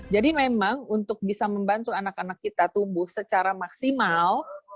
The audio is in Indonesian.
jadi memang untuk bisa membantu anak anak kita tumbuh secara maksimal